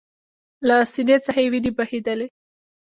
له سینې څخه یې ویني بهېدلې